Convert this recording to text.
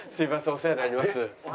お世話になります。